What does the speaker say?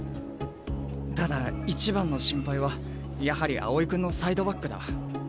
ただ一番の心配はやはり青井君のサイドバックだ。